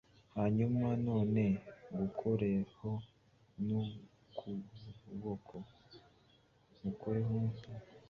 hanyuma nanone "gukoraho" n "" ukuboko.